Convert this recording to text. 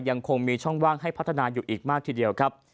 ยังคงมีช่องว่างให้พัฒนาอยู่อีกมากทีเดียวครับ